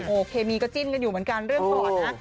โอเคมีก็จิ้นกันอยู่เหมือนกันเรื่องก่อนนะ